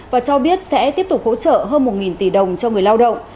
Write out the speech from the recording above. và cho biết sẽ tiếp tục hỗ trợ hơn một tỷ đồng cho người lao động